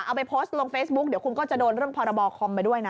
เอาไปโพสต์ลงเฟซบุ๊กเดี๋ยวคุณก็จะโดนเรื่องพรบคอมไปด้วยนะ